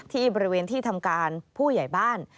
ที่บริเวณที่ทำการผู้ใหญ่บ้าน